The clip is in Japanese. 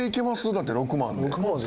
だって６万で。